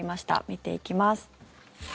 見ていきます。